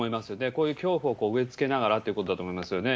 こういう恐怖を植えつけながらっていうことだと思いますよね。